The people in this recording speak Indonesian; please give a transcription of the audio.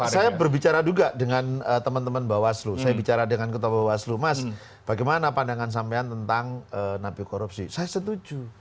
saya berbicara juga dengan teman teman bawaslu saya bicara dengan ketua bawaslu mas bagaimana pandangan sampean tentang nabi korupsi saya setuju